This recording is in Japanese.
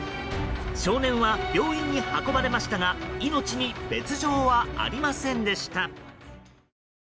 少年は病院に運ばれましたが命に別条はありませんでした。